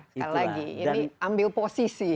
sekali lagi ini ambil posisi